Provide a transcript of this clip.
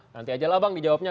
nanti aja lah abang dijawabnya